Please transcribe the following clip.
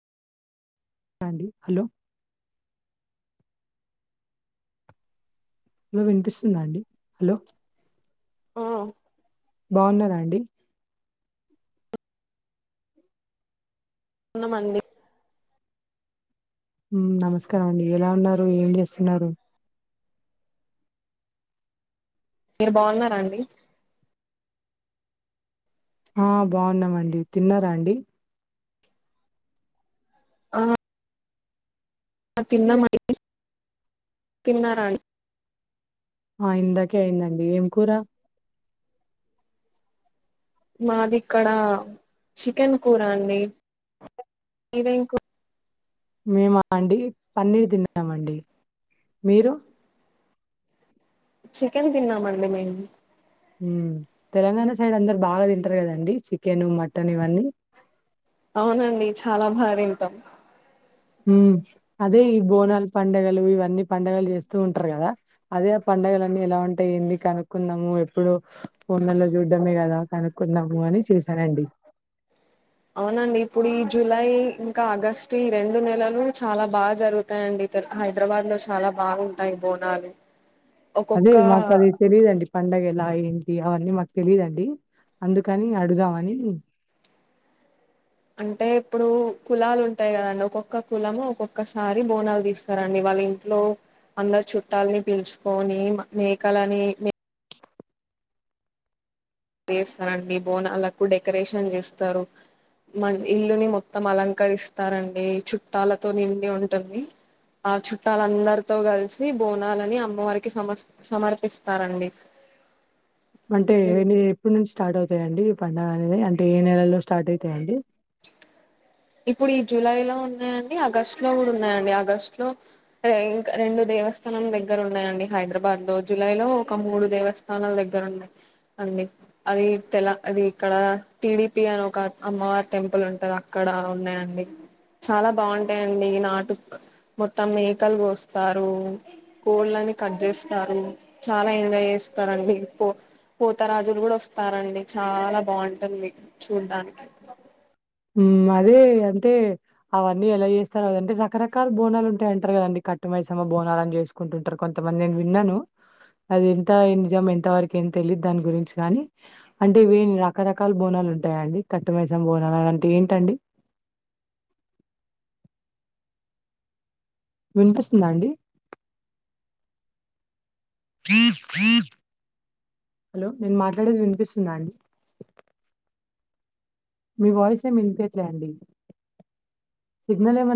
the అండి hello లో వినిపిస్తుందా అండి హలో ఆ బాగున్నార అండి కున మంది మ్మ్ నమస్కారం అండి ఎలా ఉన్నారు ఏం చేస్తున్నారు మీరు బాగున్నారా అండి ఆ బాగున్నామండి తిన్నారా అండి ఆ ఆ తిన్నమండి తిన్నారా అండి ఆ ఇందాకే అయిందండి ఏం కూర మాది ఇక్కడ చికెన్ కూర అండి మీదేం కు మేమ అండి పన్నీర్ తిన్నామండి మీరు చికెన్ తిన్నమండి మేము మ్మ్ తెలంగాణ సైడ్ అందరు బాగా తింటారు కదండి చికెన్ మటన్ ఇవన్నీ అవునండి చాలా బాగా తింటాం మ్మ్ అదే ఈ బోనాలు పండగలు ఇవన్నీ పండగలు చేస్తూ ఉంటారు కదా అదే ఆ పండుగలన్నీ ఎలా ఉంటాయి ఏంది కనుక్కున్నాము ఎప్పుడు ఫోన్లలో చూడ్డమే కదా కనుకుందాము అని చేశానండి అవునండి ఇప్పుడు ఈ జులై ఇంకా ఆగస్టు ఈ రెండు నెలలు చాలా బాగా జరుగ తాయండి హైదరాబాద్ లో చాలా బాగుంటాయి బోనాలు అదే ఒక్కొక్క మాకది తెలీదండి పండగ ఎలా ఏంటి అవన్నీ మాకు తెలీదండి అందుకని అడుదామని అంటే ఇప్పుడు కులాలు ఉంటాయి కదండి ఒక్కొక్క కులము ఒక్కొక్కసారి బోనాలు తీస్తారండి వాళ్ళు ఇన్ లో అందరు చుట్టాలని పీల్చుకొని మేకలని మే చేస్తారండి బోనాలకు డెకరేషన్ చేస్తారు మ ఇల్లుని మొత్తం అలంకరిస్తారండి చుట్టాలతో నిండి ఉంటుంది ఆ చుట్టాలు అందరితో కలిసి బోనాలని అమ్మవారికి సమస్ సమర్పిస్తారండి అంటే ఎనీ ఎప్పుడు నుంచి స్టార్ట్ అవుతాయండి ఈ పండుగ అనేది అంటే ఏ నెలల్లో స్టార్ట్ అయితాయండి ఇప్పుడు ఈ జులై లో ఉన్నాయంండి ఆగస్టు లో కూడా ఉన్నాయండి ఆగస్టు లో క ఇంకా రెండు దేవస్థానం దగ్గర ఉన్నాయండి హైదరాబాద్ లో జులై లో ఒక మూడు దేవస్ స్థానాల దగ్గర ఉన్నయ్ అండి అది తెల అది ఇక్కడ టిడిపి అని ఒక అమ్మవార్ టెంపుల్ ఉంటదా అక్కడ ఉన్నాయండి చాలా బాగుంటాయండి నాటుక్ మొత్తం మేకలు కోస్తారు కోళ్ళని కట్ చేస్తారు చాలా ఎంజాయ్ చేస్తారండి పో పోతరాజులు కూడా వస్తారండి చాలా బాగుంటుంది చూడ్డానికి ఉ మరి అంటే అవన్నీ ఎలా చేస్తారు అదంటే రకరకాల బోనాలు ఉంటాయి అంటారు కదండి కట్ట మైసమ్మ బోనాలు అని చేస్ కుంటుంటారు కొంతమంది నేను విన్నాను అది ఎంత నిజం ఎంత వరకు ఏం తెలియదు దాని గురించి గాని అంటేవే రకరకాల బోనాలు ఉంటాయండి కట్ట మైసమ్మ బోనాలు అని అంటే ఏంటండి వినిపిస్తుందా అండి కర్ చిర్ హలో నేను మాట్లాడేది వినిపిస్తుందా అండి మీ వాయిస్ ఏం ఇనిపియట్లే అండి సిగ్నల్ ఏమన్నా